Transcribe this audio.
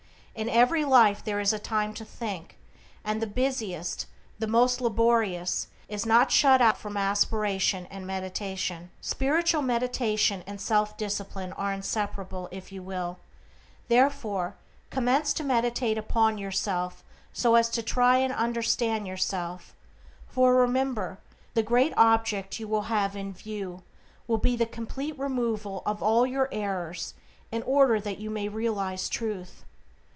In every life there is time to think, and the busiest, the most laborious is not shut out from aspiration and meditation. Spiritual meditation and self discipline are inseparable; you will, therefore, commence to meditate upon yourself so as to try and understand yourself, for, remember, the great object you will have in view will be the complete removal of all your errors in order that you may realize Truth.